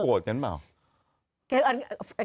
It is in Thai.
เขาโกรธกันเปล่า